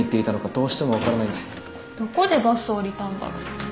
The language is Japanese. どこでバスを降りたんだろう。